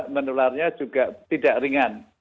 menularnya juga tidak ringan